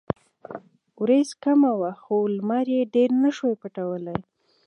وريځ کمه وه نو نمر يې ډېر نۀ شو پټولے ـ